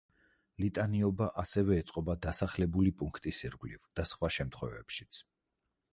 ლიტანიობა ასევე ეწყობა დასახლებული პუნქტის ირგვლივ და სხვა შემთხვევებშიც.